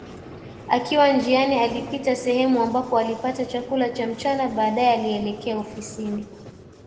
Akiwa njiani alipita sehemu ambapo alipata chakula cha mchana baadae alielekea ofisini